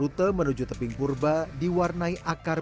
rute menuju tebing purba diwarnai akar